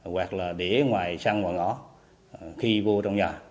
hoặc là đĩa ngoài sân ngoài ngõ khi vô trong nhà